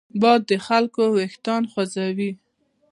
باد د خلکو وېښتان خوځوي